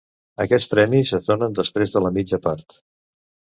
Aquests premis es donen després de la mitja part.